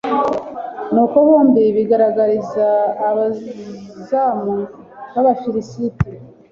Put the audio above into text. nuko bombi bigaragariza abazamu b'abafilisiti